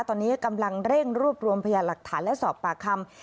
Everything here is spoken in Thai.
ตอนนี้กำลังเร่งรวบรวมพยานหลักฐานและสอบปากคำ